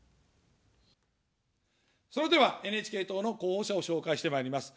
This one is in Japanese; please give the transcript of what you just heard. それではＮＨＫ党の候補者を紹介してまいります。